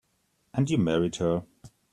And you married her.